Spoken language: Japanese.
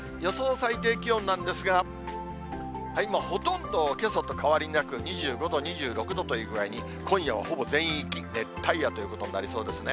最低気温なんですが、今ほとんどけさと変わりなく、２５度、２６度という具合に、今夜もほぼ全域、熱帯夜ということになりそうですね。